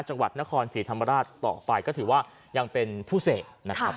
จังหวัดนครศรีธรรมราชต่อไปก็ถือว่ายังเป็นผู้เสพนะครับ